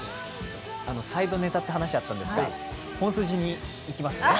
サイドネタという話があったんですが、本筋にいきますね。